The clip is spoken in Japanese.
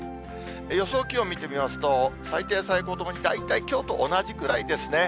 予想気温見てみますと、最低、最高ともに、大体きょうと同じくらいですね。